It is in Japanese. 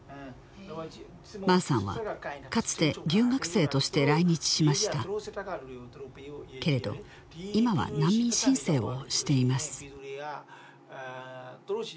マーさんはかつて留学生として来日しましたけれど今は難民申請をしています